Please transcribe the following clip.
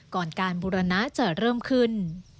ก่อนการบูรณะจะเริ่มขึ้น